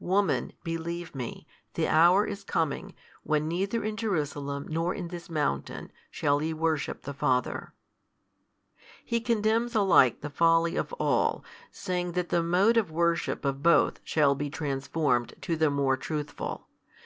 Woman, believe Me, the hour is coming, when neither in Jerusalem nor in this mountain, shall ye worship the Father. He condemns alike the folly of all, saying that the mode of worship of both shall be transformed to the more truthful.